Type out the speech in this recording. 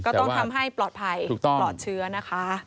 ก็ต้องทำให้ปลอดภัยปลอดเชื้อนะคะ